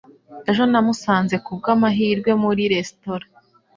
Ejo namusanze kubwamahirwe muri resitora.